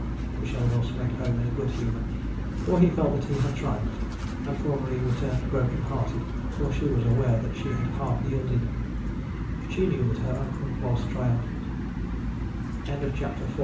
Michel Voss went home in a good humour, for he felt that he had triumphed; and poor Marie returned broken hearted, for she was aware that she had half yielded. She knew that her uncle was triumphant.